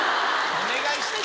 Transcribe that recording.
お願いします